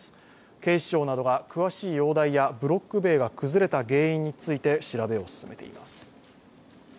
警視庁などが詳しい容体やブロック塀が崩れた原因について調べを進めています。